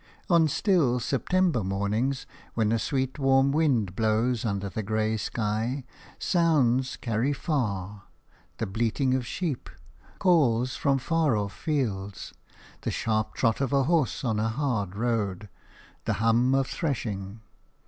On still, September mornings, when a sweet warm wind blows under the grey sky, sounds carry far – the bleating of sheep, calls from far off fields, the sharp trot of a horse on a hard road, the hum of threshing.